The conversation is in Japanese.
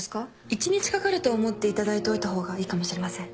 一日かかると思っていただいておいた方がいいかもしれません。